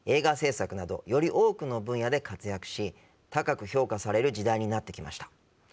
より多くの分野で活躍し高く評価される時代になってきました。